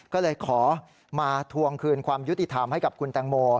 ก็เลยขอมาทวงคืนความยุติธรรมให้กับคุณแตงโม